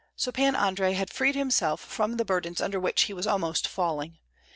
So Pan Andrei had freed himself from the burdens under which he was almost falling.